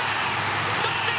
同点！